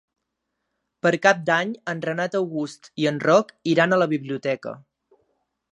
Per Cap d'Any en Renat August i en Roc iran a la biblioteca.